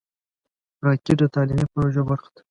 راکټ د تعلیمي پروژو برخه ده